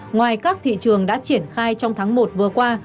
ngoài các thị trường đã triển khai trong tháng một vừa qua